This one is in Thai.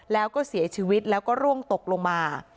แล้วก็เสียชีวิตแล้วก็ร่วงตกลงมา